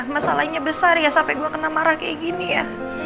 masalahnya besar ya sampai gue kena marah kayak gini ya